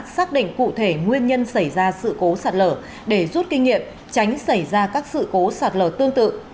xác định cụ thể nguyên nhân xảy ra sự cố sạt lở để rút kinh nghiệm tránh xảy ra các sự cố sạt lở tương tự